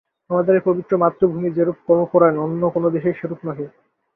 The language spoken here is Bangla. আমাদের এই পবিত্র মাতৃভূমি যেরূপ কর্মপরায়ণ, অন্য কোন দেশেই সেরূপ নহে।